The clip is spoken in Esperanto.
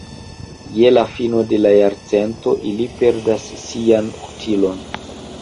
Je la fino de la jarcento ili perdas sian utilon.